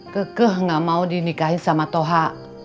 kekuh tidak mau dinikahi dengan toha